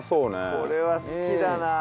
これは好きだな。